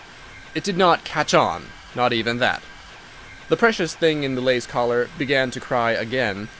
It did not "catch on"—not even that. The precious thing in the lace collar began to cry again.